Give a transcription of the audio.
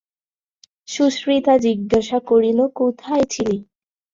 সুচরিতা জিজ্ঞাসা করিল, কোথায় ছিলি?